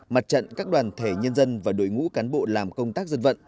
mặt trận các đoàn thể nhân dân và đội ngũ cán bộ làm công tác dân vận